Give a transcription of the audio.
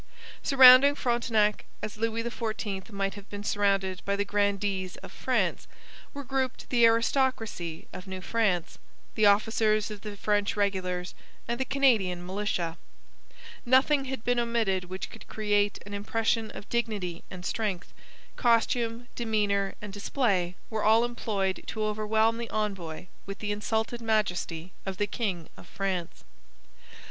Surrounding Frontenac, as Louis XIV might have been surrounded by the grandees of France, were grouped the aristocracy of New France the officers of the French regulars and the Canadian militia. Nothing had been omitted which could create an impression of dignity and strength. Costume, demeanour, and display were all employed to overwhelm the envoy with the insulted majesty of the king of France.